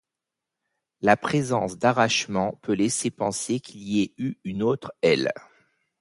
La présence d'arrachements peut laisser penser qu'il y ait eu une autre aile.